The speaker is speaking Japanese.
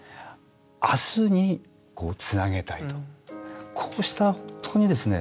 明日につなげたいとこうした本当にですね